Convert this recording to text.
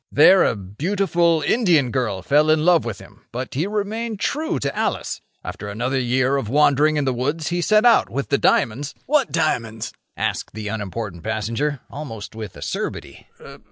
There a beautiful Indian girl fell in love with him, but he remained true to Alice. After another year of wandering in the woods, he set out with the diamonds—" "What diamonds?" asked the unimportant passenger, almost with acerbity.